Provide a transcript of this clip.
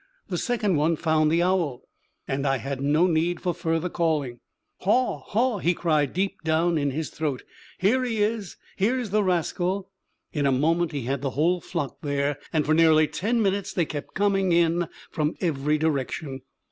The second one found the owl, and I had no need for further calling. Haw! haw! he cried deep down in his throat here he is! here's the rascal! In a moment he had the whole flock there; and for nearly ten minutes they kept coming in from every direction.